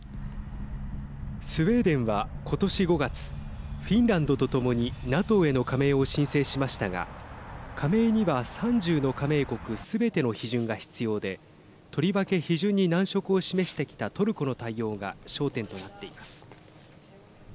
スウェーデンは今年５月、フィンランドとともにＮＡＴＯへの加盟を申請しましたが加盟には３０の加盟国すべての批准が必要でとりわけ批准に難色を示してきたトルコの対応が焦点となっています。